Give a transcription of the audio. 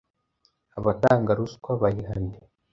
Abatanga ruswa bayiha nde?